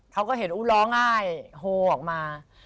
เขาก็เห็นอุ๊ล้อง่ายโหออกมา